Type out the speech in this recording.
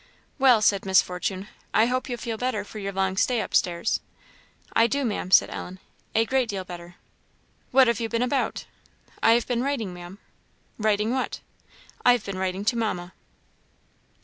"Well," said Miss Fortune, "I hope you feel better for your long stay up stairs." "I do, Maam," said Ellen "a great deal better." "What have you been about?" "I have been writing, Maam." "Writing what?" "I have been writing to Mamma."